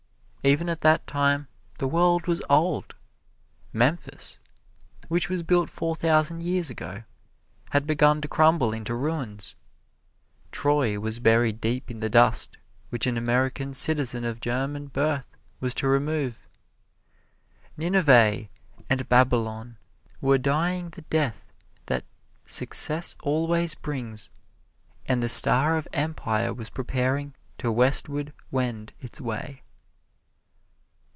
Even at that time the world was old. Memphis, which was built four thousand years ago, had begun to crumble into ruins. Troy was buried deep in the dust which an American citizen of German birth was to remove. Nineveh and Babylon were dying the death that success always brings, and the star of empire was preparing to westward wend its way.